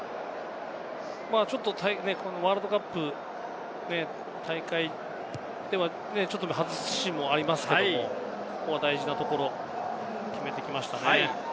ちょっとワールドカップの大会では外すシーンもありますけれども、ここは大事なところを決めてきましたね。